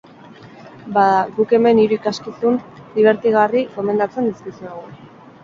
Bada, guk hemen hiru ikuskizun dibertigarri gomendatzen dizkizuegu.